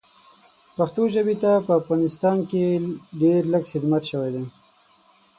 پښتو ژبې ته په افغانستان کې ډېر لږ خدمت شوی ده